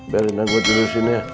biarin aja gue tidur disini ya